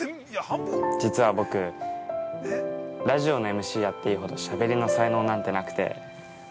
実は僕、ラジオのＭＣやっていいほどしゃべりの才能なんてなくて。